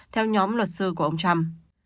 theo nhóm luật sư của ông trump